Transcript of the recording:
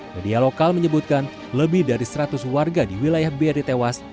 media lokal menyebutkan lebih dari seratus warga di wilayah beri tewas